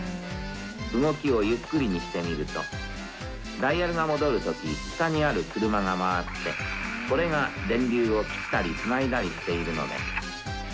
動きをゆっくりにしてみると、ダイヤルが戻るとき、下にある車が回って、これが電流を切ったりつないだりしているのです。